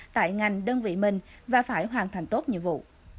tại ngành đơn vị mình và phải hoàn thành tốt nhiệm vụ